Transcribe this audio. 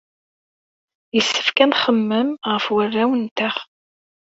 Yessefk ad nxemmem ɣef warraw-nteɣ.